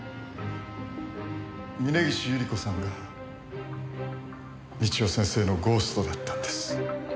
峰岸百合子さんが美千代先生のゴーストだったんです。